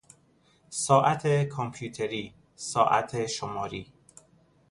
ساعت کامپیوتری، ساعت شماری